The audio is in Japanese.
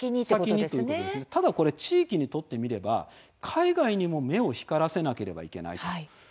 ただ、これ地域にとってみれば海外にも目を光らせなければいけない。